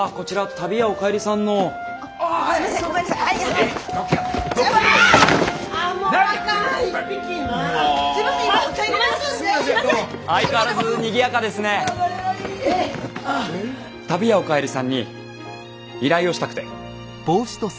旅屋おかえりさんに依頼をしたくて。